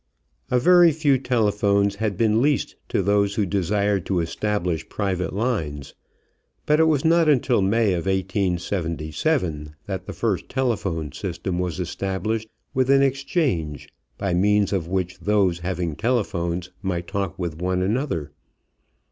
A very few telephones had been leased to those who desired to establish private lines, but it was not until May of 1877 that the first telephone system was established with an exchange by means of which those having telephones might talk with one another.